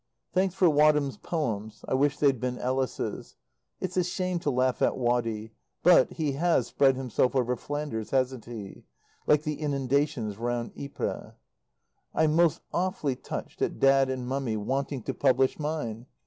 Thanks for Wadham's "Poems" (I wish they'd been Ellis's). It's a shame to laugh at Waddy but he has spread himself over Flanders, hasn't he? Like the inundations round Ypres. I'm most awfully touched at Dad and Mummy wanting to publish mine.